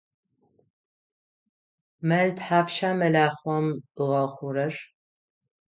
Мэл тхьапша мэлахъом ыгъэхъурэр?